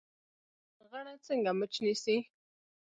غڼه څنګه مچ نیسي؟